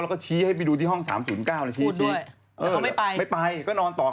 กลัวว่าผมจะต้องไปพูดให้ปากคำกับตำรวจยังไง